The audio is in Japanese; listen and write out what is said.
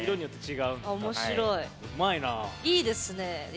いいですね。